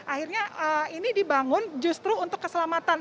akhirnya ini dibangun justru untuk keselamatan